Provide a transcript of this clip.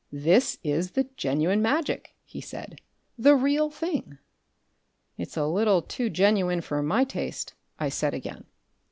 "This is the genuine magic," he said. "The real thing." "It's a little too genuine for my taste," I said again.